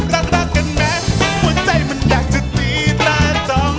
รักรักกันแม้หัวใจมันอยากจะตีตราจอ